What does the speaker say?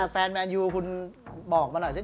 แฟนแมนยูคุณบอกมาหน่อย